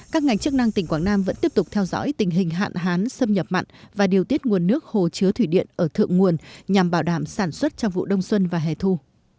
các ngành chức năng tỉnh quảng nam vẫn tiếp tục theo dõi tình hình hạn hán xâm nhập mặn và điều tiết nguồn nước hồ chứa thủy điện ở thượng nguồn nhằm bảo đảm sản xuất trong vụ đông xuân và hè thu